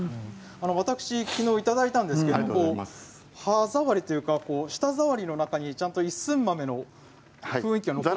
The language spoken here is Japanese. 私もきのういただいたんですが歯触りというか舌触りの中にちゃんと一寸豆の雰囲気が。